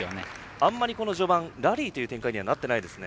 あまり序盤、ラリーという展開にはなってないですね。